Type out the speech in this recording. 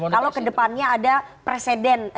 kalau ke depannya ada presiden